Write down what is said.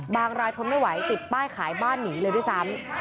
รายทนไม่ไหวติดป้ายขายบ้านหนีเลยด้วยซ้ำ